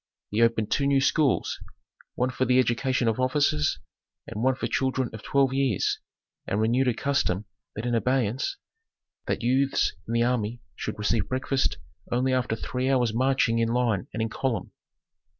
He opened two new schools, one for the education of officers, and one for children of twelve years, and renewed a custom then in abeyance, that youths in the army should receive breakfast only after three hours' marching in line and in column.